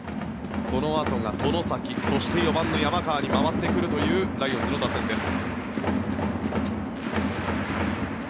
このあとが外崎、そして４番の山川に回ってくるというライオンズの打線です。